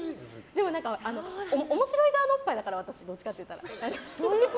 でも面白い側のおっぱいだから私、どっちかといったら。